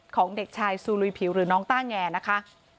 ของเด็กชายซูลุยผิวหรือน้องต้าแงนะคะ